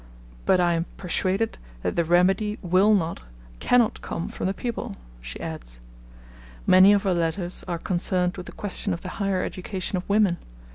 'But I am persuaded that the remedy will not, cannot come from the people,' she adds. Many of her letters are concerned with the question of the higher education of women.